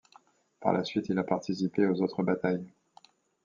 Par la suite il a participé aux autres batailles.